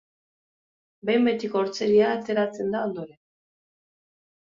Behin betiko hortzeria ateratzen da ondoren.